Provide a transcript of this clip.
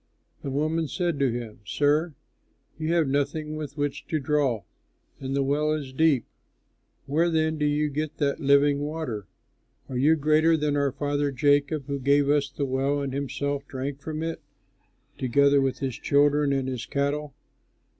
The woman said to him, "Sir, you have nothing with which to draw and the well is deep; where then do you get that living water? Are you greater than our father Jacob who gave us the well and himself drank from it, together with his children and his cattle?"